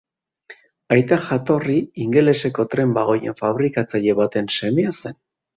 Aita jatorri ingeleseko tren-bagoien fabrikatzaile baten semea zen.